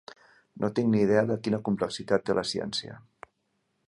No tinc ni idea de quina complexitat té la ciència.